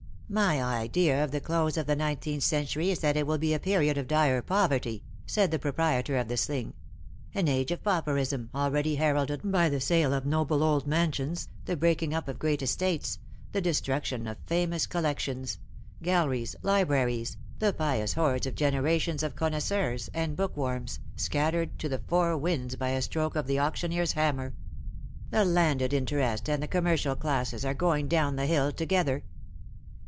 '^ My idea of the close of the nineteenth century is that it will be a period of dire poverty,' ' said the DELIGHT IS IN HER FACe/' 193 proprietor of tlie Sling ;" an age of pauperism already heralded by the sale of noble old mansions, the breaking up of great estates, the destruction of famous collections, galleries, libraries, the pious hoards of generations of connoisseurs and book worms, scattered to the four winds by a stroke of the auctioneer's hammer. The landed interest and the commercial classes are going down the hill together.